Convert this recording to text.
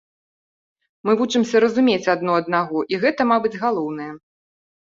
Мы вучымся разумець адно аднаго, і гэта, мабыць, галоўнае.